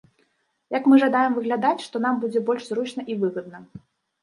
Як мы жадаем выглядаць, што нам будзе больш зручна і выгодна.